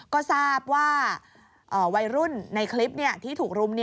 ก็ทราบว่าวัยรุ่นในคลิปที่ถูกรุม